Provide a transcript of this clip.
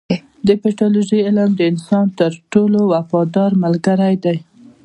د پیتالوژي علم د انسان تر ټولو وفادار ملګری دی.